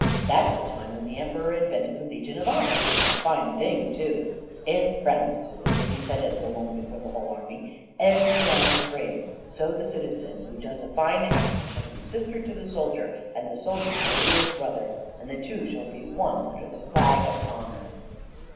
That's the time when the Emperor invented the Legion of Honour and a fine thing, too. 'In France' this is what he said at Boulogne before the whole army 'every man is brave. So the citizen who does a fine action shall be sister to the soldier, and the soldier shall be his brother, and the two shall be one under the flag of honour.'